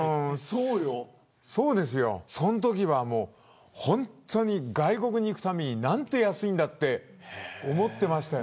そのときは本当に外国に行くたびになんて安いんだと思ってました。